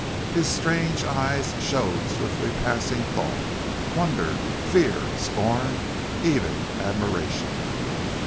His strange eyes showed swiftly passing thought wonder, fear, scorn even admiration.